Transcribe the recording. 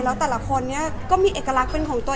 แล้วแต่ละคนนี้ก็มีเอกลักษณ์เป็นของตัวเอง